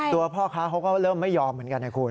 ตัวพ่อค้าเขาก็เริ่มไม่ยอมเหมือนกันนะคุณ